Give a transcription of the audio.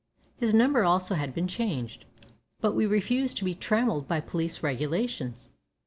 His number also had been changed, but we refuse to be trammelled by police regulations.